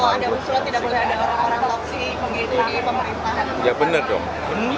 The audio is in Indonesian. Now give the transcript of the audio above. kalau ada usulat tidak boleh ada orang toksik